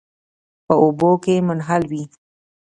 په اوبو کې منحل وي.